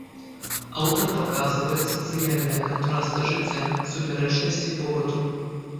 Аўтар паказвае сацыяльныя кантрасты жыцця, супярэчнасці побыту.